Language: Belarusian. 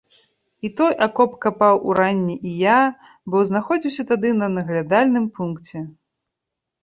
І той акоп капаў уранні і я, бо знаходзіўся тады на наглядальным пункце.